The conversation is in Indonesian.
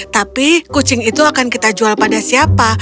tapi kucing itu akan kita jual pada siapa